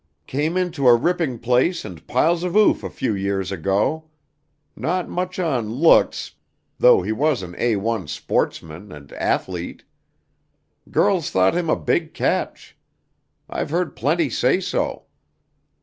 Came into a ripping place and piles of oof a few years ago. Not much on looks, though he was an A1 sportsman and athlete. Girls thought him a big catch. I've heard plenty say so.